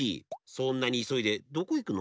そんなにいそいでどこいくの？